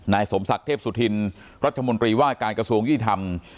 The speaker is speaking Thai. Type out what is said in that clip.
สมศักดิ์เทพสุธินรัฐมนตรีว่าการกระทรวงยุติธรรม